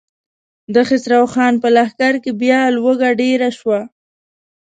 د خسرو خان په لښکر کې بيا لوږه ډېره شوه.